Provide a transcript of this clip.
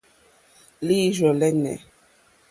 Líǐrzɔ̀ lɛ́nɛ̀.